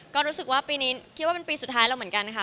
ก็รู้สึกว่าปีนี้คิดว่าเป็นปีสุดท้ายแล้วเหมือนกันค่ะ